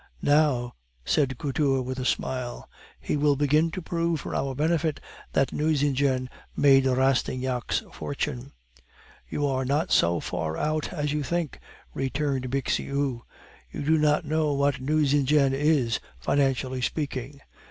"Now," said Couture with a smile, "he will begin to prove for our benefit that Nucingen made Rastignac's fortune." "You are not so far out as you think," returned Bixiou. "You do not know what Nucingen is, financially speaking."